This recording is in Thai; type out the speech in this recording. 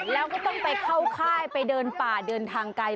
แล้วก็ต้องไปเข้าค่ายไปเดินป่าเดินทางไกล